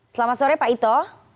selamat sore pak ito